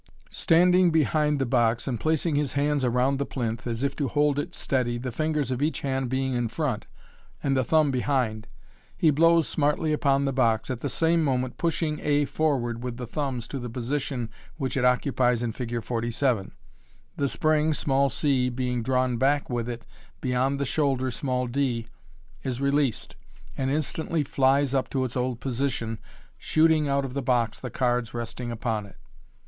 Standing behind the box, and placing his hands around the plinth, as if to hold it steady, the fingers of each hand being in front, and the thumb behind, he blows smartly upon the box, at the same moment pushing A for ward with the thumbs to the position which it occupies in Fig. 47. The spring c, being drawn back with it beyond the shoulder dy is released, and instantly flies up to its old position, shooting out of the box the cards resting upon it.